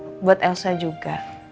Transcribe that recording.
bukan buat elsa juga